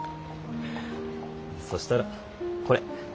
そしたらこれ。